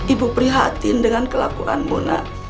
ibu prihatin dengan kelakuan muna